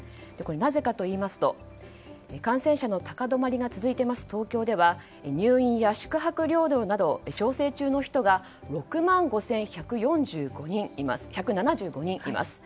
なぜかといいますと感染者の高止まりが続いている東京では入院や宿泊療養など調整中の人が６万５１７５人います。